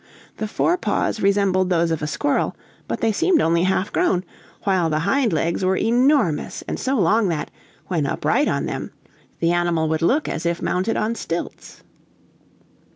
The fore paws resembled those of a squirrel, but they seemed only half grown, while the hind legs were enormous, and so long that, when upright on them, the animal would look as if mounted on stilts.